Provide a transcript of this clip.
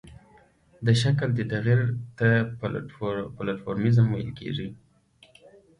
د شکل دې تغیر ته پلئومورفیزم ویل کیږي.